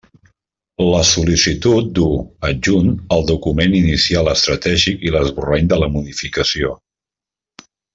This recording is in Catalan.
La sol·licitud du, adjunt, el Document Inicial Estratègic i l'esborrany de la Modificació.